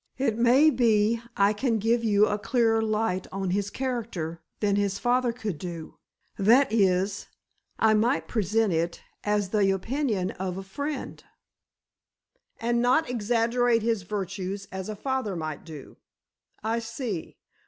It may be I can give you a clearer light on his character than his father could do——that is, I might present it as the opinion of a friend——" "And not exaggerate his virtues as a father might do? I see.